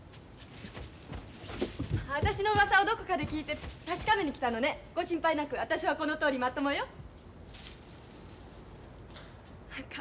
私のうわさをどこかで聞いて確かめに来たのね。ご心配なく私はこのとおりまともよ。か